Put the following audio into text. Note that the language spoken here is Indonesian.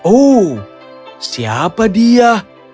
oh siapa dia